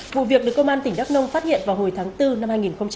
vụ việc được công an tỉnh đắk nông phát hiện vào hồi tháng bốn năm hai nghìn hai mươi ba